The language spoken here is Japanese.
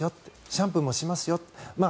シャンプーもしますよと。